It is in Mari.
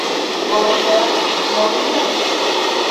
— Володя, мо лийын?